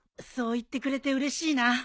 そう言ってくれてうれしいな。